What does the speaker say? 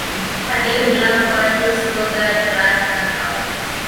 هډې ملا په هیڅ توګه جرأت نه کاوه.